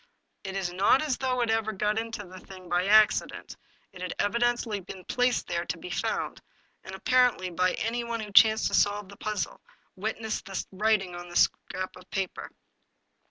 It is not as though it had got into the thing by accident, it had evidently been placed there to be found, and, apparently, by anyone who chanced to solve the puzzle; witness the writing on the scrap of paper."